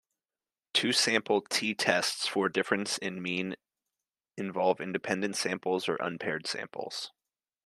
Two-sample "t"-tests for a difference in mean involve independent samples or unpaired samples.